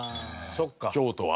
京都は。